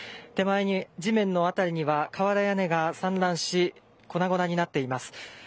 手前に、地面の辺りには瓦屋根が散乱し粉々になっています。